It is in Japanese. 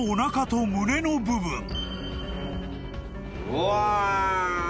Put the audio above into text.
うわ。